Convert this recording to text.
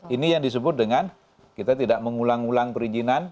ini yang disebut dengan kita tidak mengulang ulang perizinan